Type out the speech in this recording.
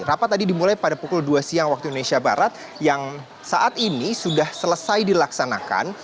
rapat tadi dimulai pada pukul dua siang waktu indonesia barat yang saat ini sudah selesai dilaksanakan